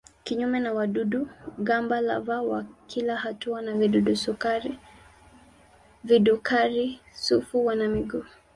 Kinyume na wadudu-gamba lava wa kila hatua wa vidukari-sufu wana miguu.